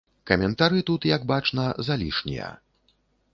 Каментары тут, як бачна, залішнія.